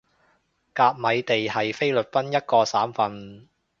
甲米地係菲律賓一個省份